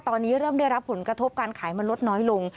ตอนนี้เริ่มได้รับผลกระทบการขายมันลดน้อยลง